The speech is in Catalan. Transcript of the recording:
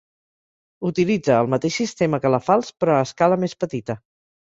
Utilitza el mateix sistema que la falç però a escala més petita.